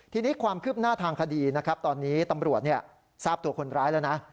ทีนี้ความคืบหน้าทางคดีนะครับตอนนี้ตำรวจทราบตัวคนร้ายแล้วนะ